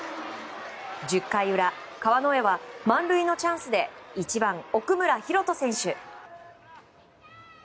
１０回裏、川之江は満塁のチャンスで１番、奥村大翔選手。